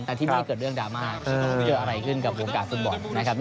แต่ที่นี่เกิดเรื่องดราม่าเกิดอะไรขึ้นกับวงการฟุตบอลนะครับ